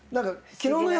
⁉昨日の夜。